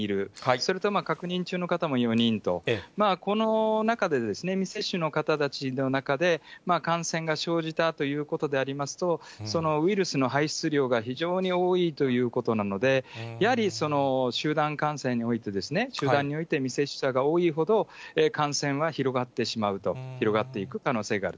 それと確認中の方も４人と、この中で、未接種の方たちの中で、感染が生じたということでありますと、そのウイルスの排出量が非常に多いということなので、やはり集団感染において、集団において、未接種者が多いほど、感染は広がってしまうと、広がっていく可能性がある。